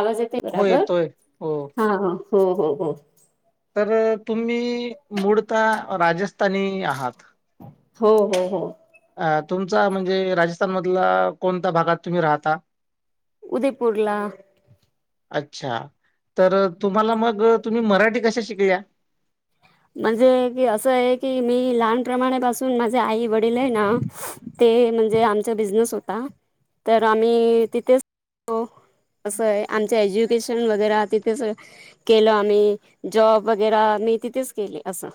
आवाज येते हो बराबर. येतोय. हो. हा हा हो हो हो तर तुम्ही मूळता राजस्थानी आहात. हो हो हो अ तुमचा म्हणजे राजस्थान मधला कोणत्या भागात तुम्ही राहता. उदयपूरला. अच्छा, तर तुम्हाला मग तुम्ही मराठी कशा शिकल्या. म्हणजे की असं आहे की मी लहानप्रेमाणापासून माझे आई वडील आहे ना ते म्हणजे आमचा बिझनेस होता. तर आम्ही तिथेच असं आहे आमच्या एज्युकेशन वगैरे त च केलं आम्ही जॉब वगैरे मी तिथेच केले असं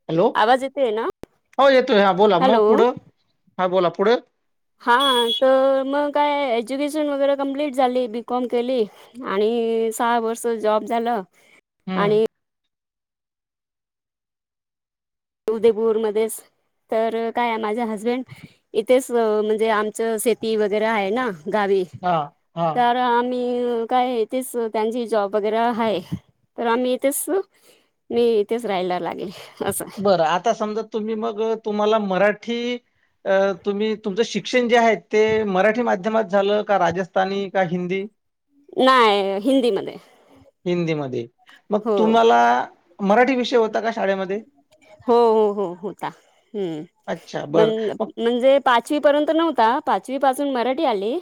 हॅलो आवाज येतेय ना. हो येतोय हा बोला मग हॅलो पुढं हा बोला पुढं. हा तर मग काय एज्युकेशन वगैरे कम्प्लीट झाली बीकॉम केली. आणि सहा वर्ष जॉब झालं. हं. आणि उदयपूरमध्येच. तर काय माझ्या हसबेंड इथेच म्हणजे आमच शेती वगैरे आहे ना गावी. हां, हां. तर आम काय इथेच त्यांची जॉब वगैरे आहे. तर आम्ही इथेच मी इथेच राहायला लागेल. असं बरं आता, समजा तुम्ही मग तुम्हाला मराठी अ तुम्ही तुमचं शिक्षण जे आहे ते मराठी माध्यमात झालं, का राजस्थानी का हिंदी. [inaudible] नाय हिंदीमध्ये. हिंदीमध्ये, मग हो तुम्हाला मराठी विषय होता का शाळेमध्ये. हो हो हो होता. अच्छा बरं मग म्हणजे पाचवी पर्यंत नव्हता. पाच पासून मराठी आली.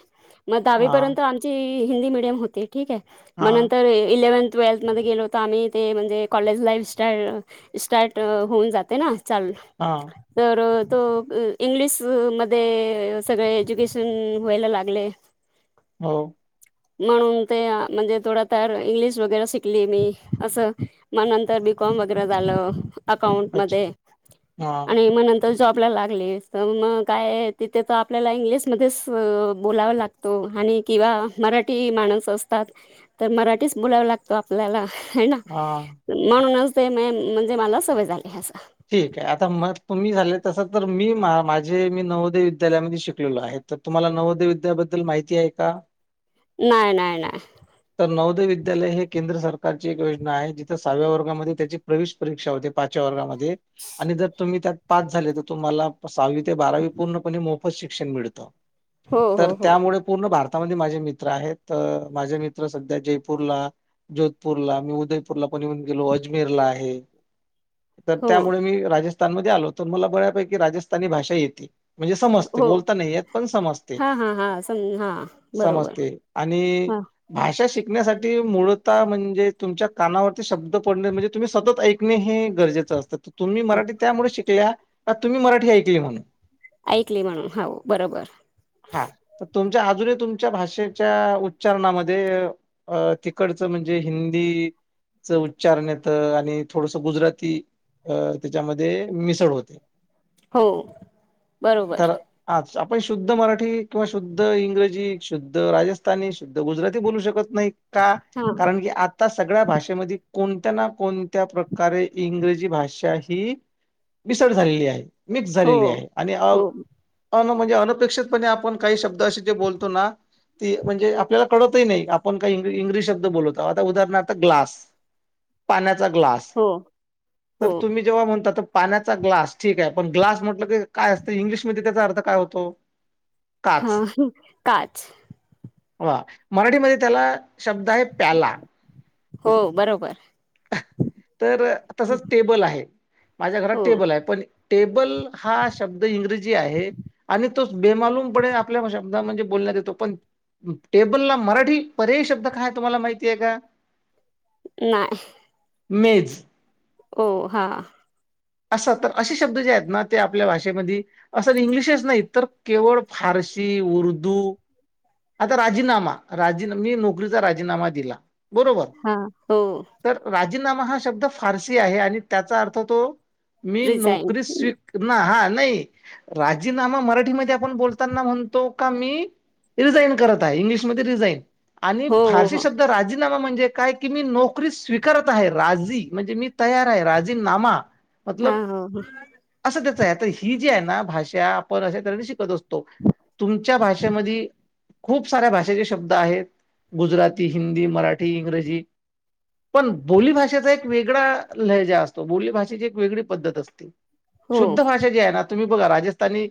मग दहावी हां पर्यंत आम्ही मी हिंदी मिडीयम होते ठीक आहे. हां नंतर इलेव्हन ट्वेल्थमध्ये गेलो तर, आम्ही ते म्हणजे कॉलेज लाईफस्टाईल. स्टार्ट होऊन जाते ना चालन. हा. तर तो इंग्लिश मध्ये सगळे एज्युकेशन व्हायला लागले. हो. म्हणून ते म्हणजे थोडं तर इंग्लिश वगैरे शिकली मी असं. मग नंतर बी, कॉम वगैरे झालं. अकाउंट अच्छा मध्ये हां आणि म नंतर तर जॉबला लागले. तर मग काय तिथे तर आपल्याला इंग्लिशमध्येच बोलावं लागते. तो आणि किंवा मराठी माणस असतात, तर मराठीच बोलाव लागत. तो आपल्याला आहेना हां म्हणूनच ते मेन म्हणजे मला सवय झाली अस. ठीक आहे आता मग तुम्ही झालेल तस तर मी मा माझे मी नवोदय विद्यालयामध्ये शिकलेलो आहेत. तर तुम्हाला नवोदय विद्याबद्दल माहिती आहे का? नाही, नाही, नाही. तर नवोदय विद्यालय हे केंद्र सरकारची एक योजना आहे, जिथं सहाव्या वर्गामध्ये त्याची प्रवेश परीक्षा होते पाचव्या वर्गामध्ये. आणि जर तुम्ही त्यात पास झाले, तर तुम्हाला सहावी ते बारावी पूर्णपणे मोफत शिक्षण मिळत. हो तर हो हो त्यामुळे पूर्ण भारतामध्ये माझे मित्र आहेत तर माझे मित्र सध्या जयपूरला जोधपूरला मी उदयपूरला पण येऊन गेलो अजमेरला आहे. हो त्यामुळे मी राजस्थानमध्ये आलो होतो तर मला बऱ्यापैकी राजस्थानी भाषा येती. म्हणजे समजते हो बोलता नाही येत पण समजते, हां हां हां सम हां बरोबर समजते. आणि हां भाषा शिकण्यासाठी मूळताः म्हणजे तुमच्या कानावरती शब्द पडणे म्हणजे तुम्ही सतत ऐक शिकणे हे गरजेचं असतं तुम्ही मराठी त्यामुळे शिकल्या का तुम्ही मराठी ऐकली म्हणून. ऐकली म्हणून हाव बरोबर. हा तर तुमच्या अजूनही तुमच्या भाषेच्या उच्चारणामध्ये अ तिकडचं म्हणजे हिंदीच उच्चारण येत आणि थोडस गुजराती अ त्याच्यामध्ये मिसळ होते. हो बरोबर. हा आपण शुद्ध मराठी किंवा शुद्ध इंग्रजी, शुद्ध राजस्थानी, शुद्ध गुजराती बोलू शकत नाहीत. का, हां कारण की आ आता सगळ्या भाषेमध्ये कोणत्या ना कोणत्या प्रकारे इंग्रजी भाषा शाही मिसळ झालेली आहे. मिक्स हो झालेली आहे. आणि अ हो अ म्हणजे अनपेक्षितपणे आपण काही शब्द असे जे बोलतोना ती म्हणजे आपल्याला कळतही नाही आपण काही इग्री- इंगलिश शब्द बोलतो आहोत. उदाहरणार्थ ग्लास. पाण्याचा ग्लास. हो. हो तर तुम्ही जेव्हा म्हणतात तर पाण्याचा ग्लास ठीक आहे पण ग्लास म्हटलं की काय असतं इंग्लिशमध्ये त्याचा अर्थ काय होतो? [inaudible] हा काच. वा मराठीमध्ये त्याला शब्द आहे प्याला हो बरोबर. तर तसच टेबल आहे. माझ्या घरात हो टेबल आहे. पण टेबल हा शब्द इंग्रजी आहे. आणि तोच बेमालूमपणे आपल्या शब्दात म्हणजे बोलण्यात येतो पण टेबलला मराठी पर्याय शब्द काय आहे तुम्हाला माहितीय आहे का? नाय. मेज. ओ हा.. असं तर असे शब्द जे आहेत ना ते आपल्या भाषेमधी असं इंग्लिशच नाही तर केवळ फारसी, उर्दू, आता राजीनामा राजीना मी नोकरीचा राजीनामा दिला. बरोबर हां, हो तर राजीनामा हा शब्द फारसी आहे आणि त्याचा अर्थ तो मी रिझाईन. नोकरी स्वी ना हा नाही. राजीनामा मराठीमध्ये आपण बोलताना म्हणतो का मी? रिझाईन करत आहे इंग्लिशमध्ये रिझाईन आणि हो, हो, फारशी हो. शब्द. राजीनामा म्हणजे काय की मी नोकरी स्वीकारत आहे राजी म्हणजे मी तयार आहे राजीनामा. हा मतलब हो. असं त्याच आहे तर ही जी आहे ना भाषा आपण अश्या तऱ्ने शिकत असतो. तुमच्या भाषेमध्ये खूप साऱ्या भाषेचे शब्द आहेत. गुजराती, हिंदी, मराठी. ठी इंग्रजी पण बोलीभषेचा एक वेगळा लय ज असतो बोलीभाषेची. वेगळी पद्धत असते हो, शुद्ध भाषा जी आहे ना. राजस्थानी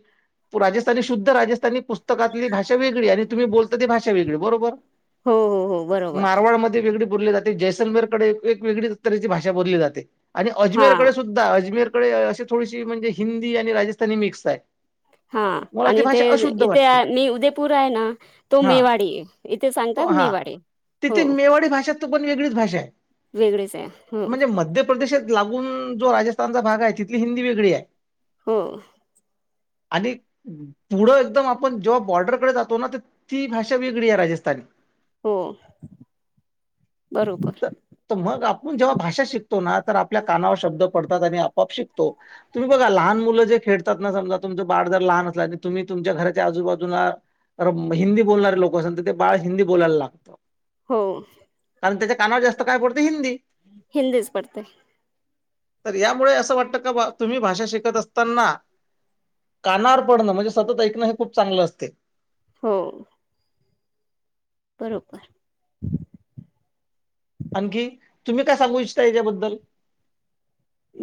तुम्ही बघा शुद्ध राजस्थानी राजस्थानी. पुस्तकातली भाषाेगळी आणि तुम्ही बोलता ती भाषा वेळी बरोबर हो, हो, हो, बरोबर. मारवाडमध्येध्ये वेगळी बोलली जाते जैसलमेरकडे एक वेगळी तऱची भाषा बोलली जाते आणि अजमेर हां, सुा अजमेरकडे अशी थोडीशी म्हणजे हिंदी आणि राजस्थानी मिक्स आहे. हा मला ती आणि ते भाषा अशुद्ध इथे वाटते. मी उदयपूर आहे ना. तो हां, मेवाडी इथे तो सांगतात हां. मेवाडे तिथे मेवाडी भाषा त पण वेगळीच भाषा आहे वेगळेच आहे. हो, म्हणजे मध्य प्रदेशात लागून. जो राजस्थानचा भाग आहे तिथली हिंदी वेगळी आहे. हो. आणि पुढं एकदम आपण जेव्हा बॉर्डरकडे जातो ना तर ती भाषा वेगळी आहे राजस्थानी. हो बरोबर. तर तर मग आपण जेव्हा भाषा शिकतो ना तर आपल्या कानावर शब्द पडतात आणि आपआप शिकतो. तुम्ही बघा लहान मुलं जे खेळतात ना समजा तुमचं बाळ जर लहान असला तुम्ही तुमच्या घराच्याजूबाजूला तर हिंदी बोलणारे लोक असेल तर ते बाळ हिंदी बोलायला लागतं. हो. कारण त्याच्या कानावर जास्त काय पडते हिंदी. हिंदीच पडतेय. तर यामुळे असं वाटतं का तुम्ही भाषा शिकत असताना कानाार पडणं म्हणजे सतत ऐकणं हे खूप चांगलं असते. हो. बरोबर. आणखी तुम्ही काय सांगू इच्छता याच्याबद्दल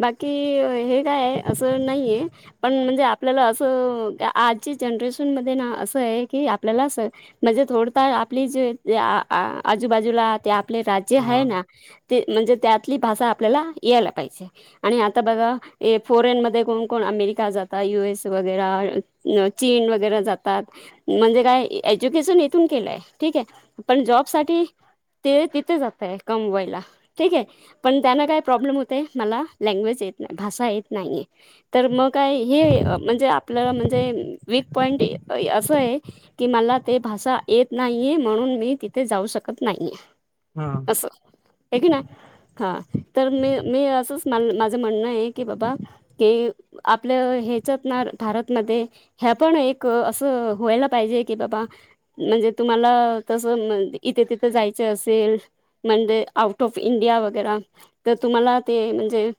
बाकी हे काय आहे असं नाहीये. पण म्हणजे आपल्याला असं आजची जनरेशन मध्ये ना असं आहे की आपल्याला म्हणजे थोडत आपली ज आजूबाजूला आपले राज्य आहे हां, ना ते म्हणजे त्यातली भाषा आपल्याला यायला पाहिजे. आणि आता बघा फॉरेन मध्ये कोण कोण अमेरिका जातात यु एस वगैरे. न चीन वगैरे जातात. म्हणजे काय एज्युकेशन येथून केलंय ठीक आहे पण जॉब साठी ते तिथे जात आहेका मोबाईला ठीक आहे पण त्यांना काय प्रॉब्लेम होते. मला लँग्वेज येत नाही भाषा येत नाही आहे. तर मग काय हे म्हणजे आपल्याला म्हणजे वीक पॉईंट असं आहे. कि मला ते भाषा येत नाहीये म्हणून मी तिथे जाऊ शकत नाहीे. हां. अस की ना हा तर मी मी असंच माझं म्हणणं आहे की बाबा क आपल्या ह्याच्यात ना भारतमध्ये ह्या पण एक असं व्हायला पाहिजे की बाबा. म्हणजे तुम्हाला तसं इथे तिथं जायच असेल. म्हण आउट ऑफ इंडिया वगैर तर तुम्हाला ते म्हणजे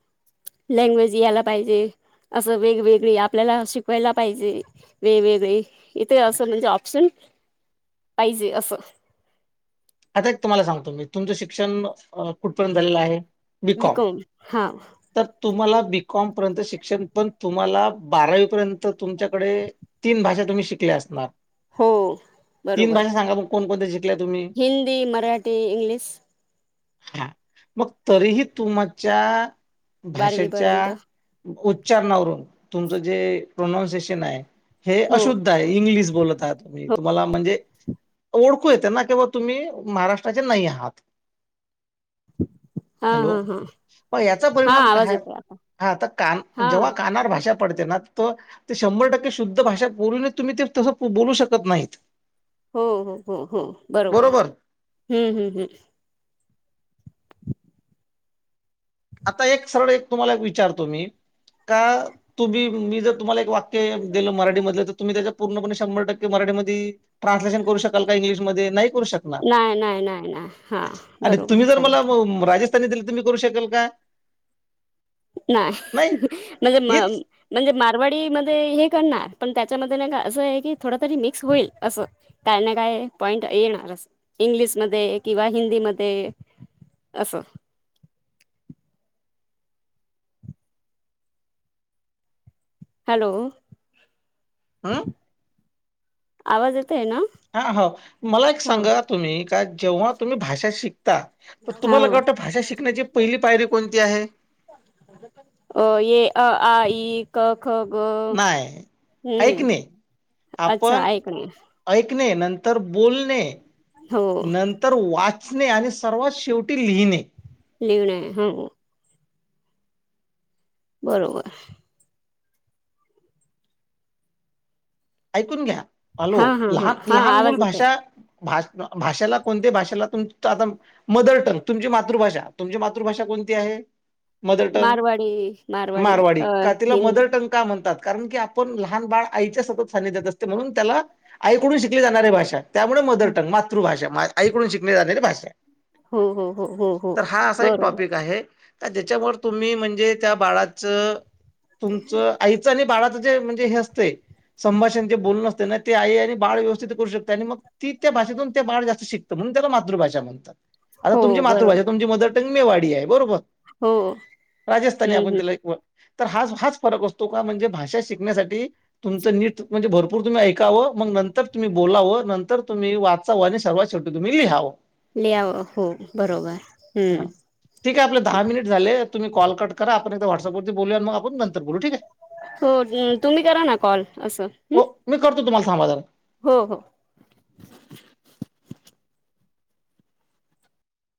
लँग्वेज यायला पाहिजे असं वेगवेगळे आपल्याला शिकवायला पाहिजे. वेवे इथे असं म्हणजे ऑप्शन पाहिजे असं. आता एक तुम्हाला सांगतो मी तुमचं शिक्षण कुठपर्यंत झालेलं आहे. बीकॉम. बिक हा. तर तुम्हाला बीकॉम पर्यंत शिक्षण पण तुम्हाला बारावीपर्यंत तुमच्याकडे. तीन भाषा तुम्ही शिकल्या असणार हो तीन बरोबर भाषा सांगा मग कोणकोणत्या शिकल्या तुम्ही. हिंदी मराठी इंग्लिश. हा मग तरीही तुमच्या बारवी पर्यंत भाषेच्या. उच्चारणावरून तुमच जे प्रोनान्सिएशन आहे हे हो अशुद्ध. इ्ल बोलत तुमही तुम्हाला म्हणजे ओळखूय त्यांना कं्हा तुम्ही. महाराष्ट्राचे नाही आहात. हा हा हा. प याचा हा परिणाम आवाज काय येतोय आता हा तर कान हा जेव्हा काणार भाषा. ना ते शंभर टक्के शुद्ध भाषा बोलून तुम्ही ते तस बोलू शकत नाही. हो हो हो हो बरोबर हम् हम् हम्. आता एक सरळ एक तुम्हाला विचारतो मी का तुम्ही मी जर तुम्हाला एक वाक्य दिलं मराठी मध तुम्ही त्याच्या पूर्णपणे शंभर टक्के मराठीमध्ये ट्रान्सलेशन करू शकाल का इंग्िशमध्ये नाही. श नाही नाही नाही नाही हा बरोबर तुम्ही जर मला सांगितलं राजस्थान. तुम्ही करू शकल का. नाही म्हणजे म हेच म्हणजे मारवाडी मध्ये हे करणार पण त्याच्यामध्ये नाही का असं आहे की थोड तरी मिक्स होईल असं. काय ना काय पॉइंट येणार इंग्लिशमध्येध्ये किंवा हिंदीमध्येध्ये. अससं. हॅलो! हा. आवाज येत आहे ना. हा हो मला एक हा सांगा तुम्ही का जेव्हा तुम्ही भाषा शिकता. तर तुम्हाला हो का वाटतं भाषा शिकण्याची पहिली पायरी कोणती आहे. अ ये अ अ. ख खो ग नाही. हम्म ऐकणे अच्छा आपण ऐकणे. ऐकणे नंतर बोलणे हो नंत तर वाचणे आणि सर्वात शेवटी लिहिणे. लिऊण आहे हो. बरोबर. ऐकून घ्या हॅलो हा हा हा लहान हा लहान मूल आवाज येत आहे भाषा भा भाषेला कोणत्या भाषेला तुम आता. मदर टंग तुमची मातृभाषा तुमची मातृभाषा कोणती आहे. मदर टंग मारवाडी मारवाडी अ का तिला हिंद मदर टंग का म्हणतात कारण की आप आपण लहान बाळ आईच्या सतत सा जात असते म्हणून त्याला आईकडून शिकली जाणारी भाषा. त्यामुळे मदर टंग मातृभाषा आईकडून शिकले जालेली भाषा. हो हो हो हो हो तर हा असा एक बरोबर टॉपिक आहे. का ज्याच्यावर तुम्ही म्हणजे त्या बाळाचं तुमचं आईचं आणि बाळाच. े म्हणजे ह्या असते. संभाषण जे बोलण नसते ना ते आहे आणि बाळ व्यवस्थित करू शकते आणि मग. ती त्या भाषेतून त्या बाळ जास्त शिकतं म्हणून त्याला मातृभाषा म्हणतात. आता हो तुमची मातृभाषा बरोबर तुमची मदर टंग मेवाडी आहे बरोबर. हो राजस्थनी आग हम्म हम् त्याला- तर हा हाच फरक असतो का म्हणजे भाषा शिकण्यासाठी तुमचं नीट म्हणजे भरपूर तुम्ही ऐकावं मग नंतर तुम्ही बोलावं नंतर तुम्ही वाचावं आणि सर्वात शेवटी तुम्ही लिहावं. लिहावं हो बरोबर हा हम्म ठीक आहे. आपलं दहा मिनिट झालेत. तुम्ही कॉल कट करा. आपण एकदा वॉट्सॲप वरती बोलूया मग आपण नंतर बोलू ठीक आहे. हो, तुम्ही करा ना कॉल असं. हं. हो, मी करतो तुम्हाला थांबा जरा. हो हो.